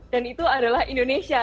dan itu adalah indonesia